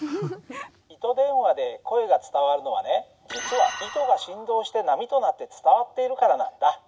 「糸電話で声が伝わるのはね実は糸が振動して波となって伝わっているからなんだ」。